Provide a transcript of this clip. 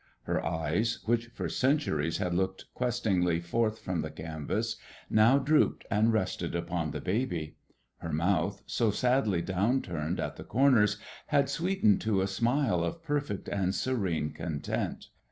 Her eyes, which for centuries had looked questingly forth from the canvas, now drooped and rested upon the baby. Her mouth, so sadly downturned at the corners, had sweetened to a smile of perfect and serene content.